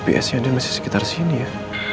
kalau di gpsnya andi masih sekitar sini ya